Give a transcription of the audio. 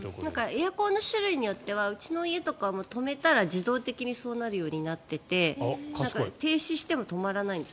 エアコンの種類によってはうちの家とか止めたら自動的にそうなるようになっていて停止しても止まらないんです。